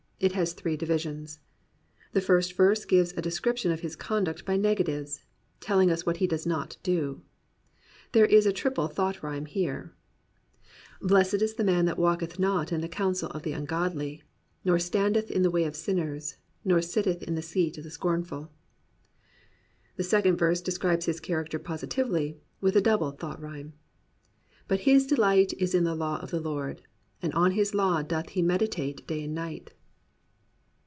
It has three divisions. The first verse gives a description of his conduct by negatives — telling us what he does not do. There is a triple thought rhyme here. Blessed is the man that walketh not in the counsel of the ungodly. Nor standeth m the way of sinners, Nor sitteth in the seat of the scornful. The second verse describes his character positively, with a double thought rhyme. But his delight is in the law of the Lord; And in his law doth he meditate day and night.